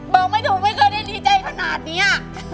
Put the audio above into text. บอกไม่ถูกไม่เคยได้ดีใจขนาดนี้